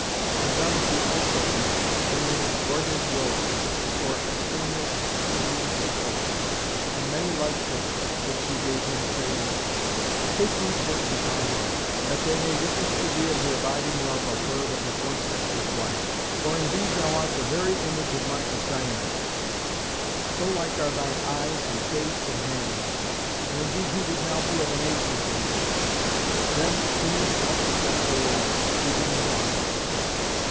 Andromaché also came, bringing broidered robes, and for Ascanius a Phrygian cloak, and many like things, which she gave him, saying, "Take these works of my hands, that they may witness to thee of the abiding love of her that was once Hector's wife. For indeed thou art the very image of my Astyanax; so like are thy eyes and face and hands. And indeed he would now be of an age with thee." Then Æneas also said farewell, weeping the while.